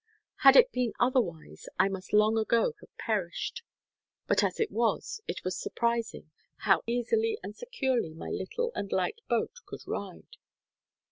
Had it been otherwise, I must long ago have perished; but as it was, it is surprising how easily and securely my little and light boat could ride.